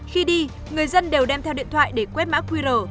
khi đi người dân đều đem theo điện thoại để quét mã qr